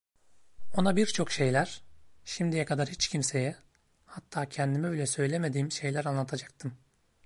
Ona birçok şeyler, şimdiye kadar hiç kimseye, hatta kendime bile söylemediğim şeyler anlatacaktım.